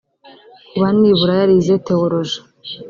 kuba nibura yarize theoloji